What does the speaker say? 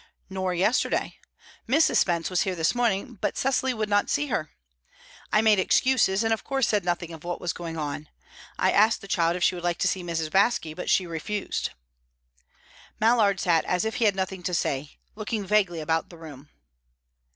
"Nor yesterday. Mrs. Spence was here this morning, but Cecily would not see her. I made excuses, and of course said nothing of what was going on. I asked the child if she would like to see Mrs. Baske, but she refused." Mallard sat as if he had nothing to say, looking vaguely about the room.